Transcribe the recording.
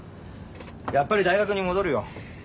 やっぱり大学に戻るよ。